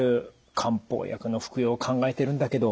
漢方薬の服用を考えてるんだけど。